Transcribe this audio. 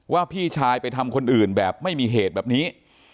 พี่ชายไปทำคนอื่นแบบไม่มีเหตุแบบนี้